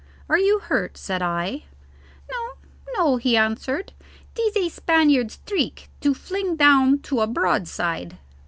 "Are you hurt?" said I. "No, no," he answered. "'Tis a Spaniard's trick to fling down to a broadside.